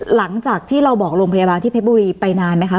หลังจากที่เราบอกโรงพยาบาลที่เพชรบุรีไปนานไหมคะ